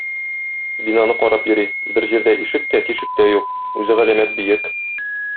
Бинаны карап йөри, бер җирдә ишек тә, тишек тә юк, үзе галәмәт биек.